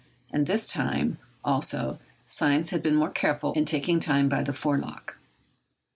And this time, also, science had been more careful in taking time by the forelock.